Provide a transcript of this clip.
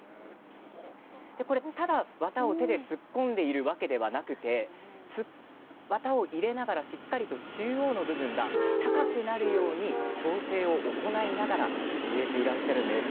ただ綿を手で突っ込んでいるわけではなくて綿を入れながら、しっかりと中央の部分が高くなるように調整を行いながら入れていらっしゃるんです。